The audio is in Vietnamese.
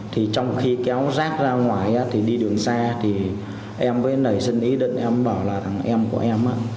thì trong khi kéo rác ra ngoài thì đi đường xa thì em mới nảy sinh ý định em bảo là thằng em của em